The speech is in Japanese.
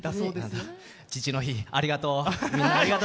父の日、ありがとう。